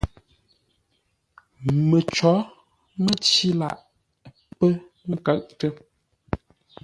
Məcǒ mə́cí lâʼ pə́ kə́ʼtə́.